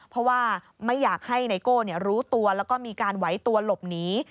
เพราะว่าไม่อยากให้ไนโก้รู้ตัวแล้วก็มีการไหวตัวหลบหนี